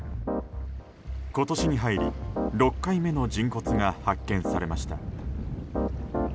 今年に入り６回目の人骨が発見されました。